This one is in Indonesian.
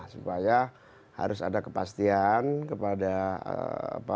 supaya harus ada kepastian kepada apa